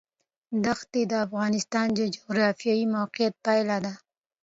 دښتې د افغانستان د جغرافیایي موقیعت پایله ده.